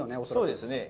そうですね。